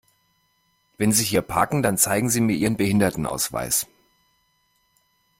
Wenn Sie hier parken, dann zeigen Sie mir Ihren Behindertenausweis!